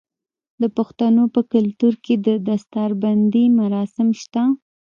د پښتنو په کلتور کې د دستار بندی مراسم شته.